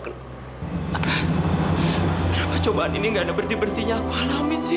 kenapa cobaan ini gak ada berarti bertinya aku alamin sih